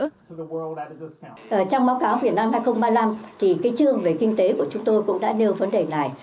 trong báo cáo việt nam hai nghìn ba mươi năm thì cái chương về kinh tế của chúng tôi cũng đã nêu vấn đề này